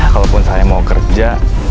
kalaupun saya mau kerja